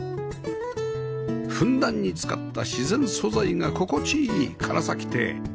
ふんだんに使った自然素材が心地いい唐邸